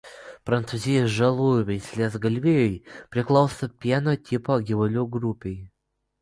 Prancūzijos žalųjų veislės galvijai priklauso pieno tipo gyvulių grupei.